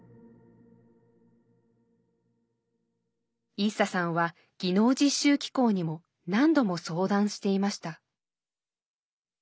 イッサさんは技能実習機構にも何度も相談していました。